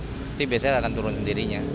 jadi biasanya akan turun sendirinya